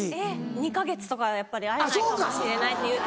２か月とか会えないかもしれないっていうと。